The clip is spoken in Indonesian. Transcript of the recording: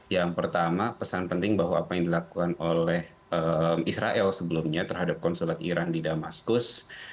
yang pertama pesan penting bahwa apa yang dilakukan oleh israel sebelumnya terhadap konsulat iran di damaskus